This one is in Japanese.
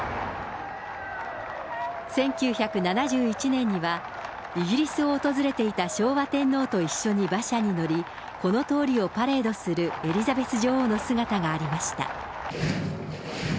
１９７１年には、イギリスを訪れていた昭和天皇と一緒に馬車に乗り、この通りをパレードするエリザベス女王の姿がありました。